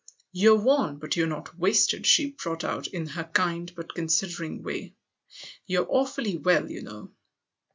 " You're worn, but you're not wasted," she brought out in her kind but considering way. " You're awfully well, you know."